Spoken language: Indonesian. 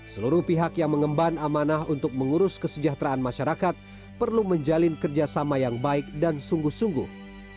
seluruh pihak yang mengemban amanah untuk mengurus kesejahteraan masyarakat perlu menjalin kerjasama yang baik dan sungguh sungguh